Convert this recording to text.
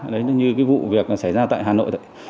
đấy như vụ việc xảy ra tại hà nội